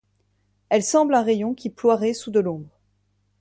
Elle semble un rayon qui ploierait sous de l'ombre.